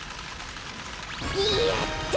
やった！